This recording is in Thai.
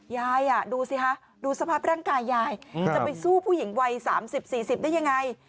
ยายดูสิคะดูสภาพร่างกายยายจะไปสู้ผู้หญิงวัย๓๐๔๐ได้ยังไง